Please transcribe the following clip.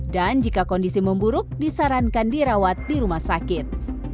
dan jika kondisi memburuk disarankan dirawat di rumah sakit